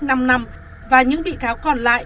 năm năm và những bị cáo còn lại